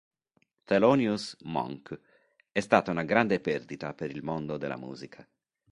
Thelonious Monk: “è stata una grande perdita per il mondo della musica.